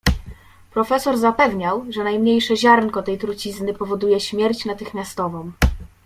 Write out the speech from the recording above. "Profesor zapewniał, że najmniejsze ziarnko tej trucizny powoduje śmierć natychmiastową."